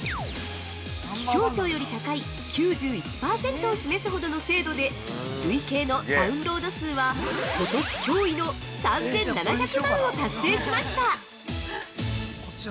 気象庁より高い９１％を示すほどの精度で累計のダウンロード数は、今年驚異の３７００万を達成しました！